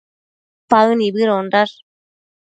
Paë nibëdondash